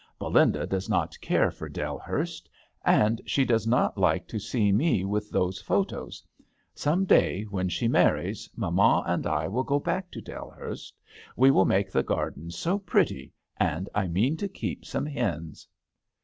Belinda does not care for Dell hurst, and she does not like to see me with those photos. Some day, when she marries, mamma and I will go back to Dellhurst. We will make the garden so pretty, and I mean to keep some hens."